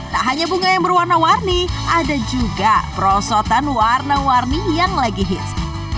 tak hanya bunga yang berwarna warni ada juga perosotan warna warni yang lagi hits